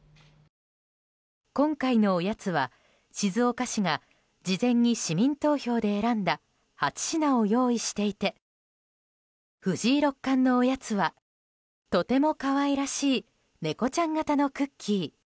今回のおやつは、静岡市が事前に市民投票で選んだ８品を用意していて藤井六冠のおやつはとても可愛らしい猫ちゃん形のクッキー。